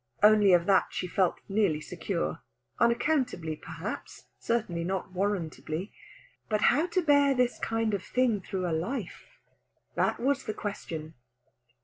Only of that she felt nearly secure unaccountably, perhaps; certainly not warrantably. But how to bear this kind of thing through a life? that was the question.